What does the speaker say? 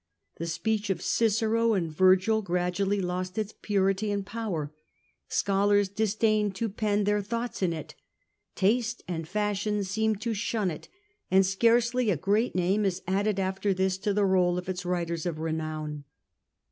The speech of Cicero and Vergil gradually lost its purity and power ; scholars disdained to pen their thoughts in it : taste and fashion seemed to shun it, and scarcely a great name is added after this to the roll of its writers of renown.